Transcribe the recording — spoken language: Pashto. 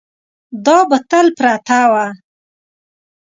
دا به تل پرته وه.